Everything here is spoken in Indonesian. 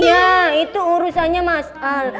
ya itu urusannya mas al